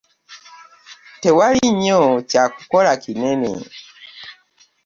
Tewali nnyo kya kukola kinene.